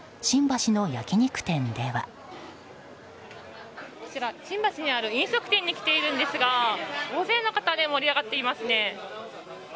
新橋にある飲食店に来ているんですが大勢の方で盛り上がっていますね。